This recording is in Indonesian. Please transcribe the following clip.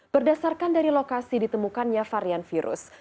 berdasarkan dari lokasi ditemukannya varian virus